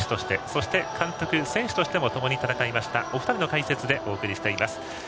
そして監督、選手としてともに戦いましたお二人の解説でお送りしています。